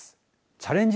チャレンジ